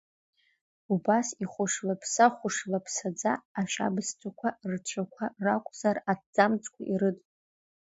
Убас ихәышлаԥса-хәышлаԥсаӡа ашьабсҭақәа рцәақәа ракәзар аҭӡамцқәа ирыдын.